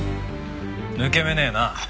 抜け目ねえな。